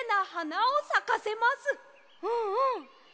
うんうん！